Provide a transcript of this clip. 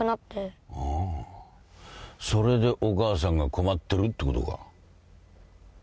ああそれでお母さんが困ってるってことか。